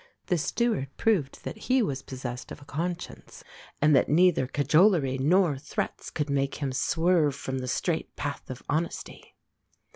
The steward proved that he was possessed of a conscience, and that neither cajolery nor threats could make him swerve from the straight path of honesty.